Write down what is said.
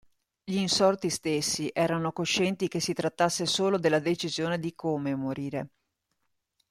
Gli insorti stessi erano coscienti che si trattasse solo della decisione di come morire.